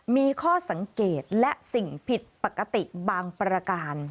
มีข้อสังเกตและสิ่งผิดปกติบางประการ